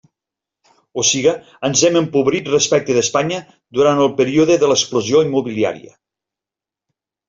O siga, ens hem empobrit respecte d'Espanya durant el període de l'explosió immobiliària.